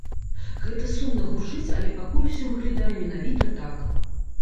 Гэта сумна гучыць, але пакуль усё выглядае менавіта так.